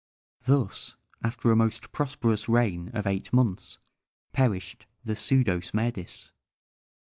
Thus, after a most prosperous reign of eight months, perished the pseudo Smerdis.